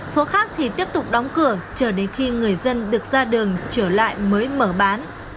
số khác thì tiếp tục đóng cửa trở đến khi người dân được ra đường trở lại mới mở bán